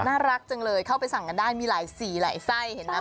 น่ารักจังเลยเข้าไปสั่งกันได้มีหลายสีหลายไส้เห็นไหม